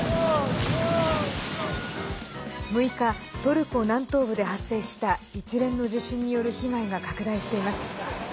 ６日、トルコ南東部で発生した一連の地震による被害が拡大しています。